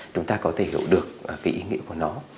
chúng ta có thể hiểu được cái ý nghĩa của nó